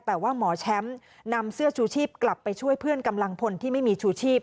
แต่ว่าหมอแชมป์นำเสื้อชูชีพกลับไปช่วยเพื่อนกำลังพลที่ไม่มีชูชีพ